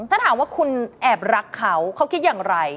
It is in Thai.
ถ้าถามว่าคุณแอบรักเขาเขาคิดอย่างไร